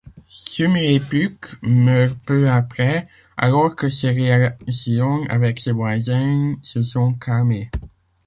Sumu-epukh meurt peu après, alors que ses relations avec ses voisins se sont calmées.